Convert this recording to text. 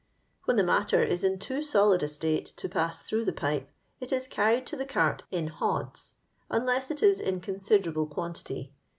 When the matter is in too solid a state to pass through the pipe, it is carried to the cart in hods, un less it is in considerable quantity.